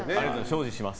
精進します。